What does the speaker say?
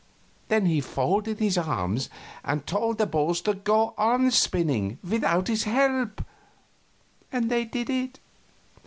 Then he folded his arms and told the balls to go on spinning without his help and they did it.